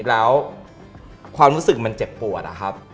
แล้วความรู้สึกมันเจ็บปวดนะครับ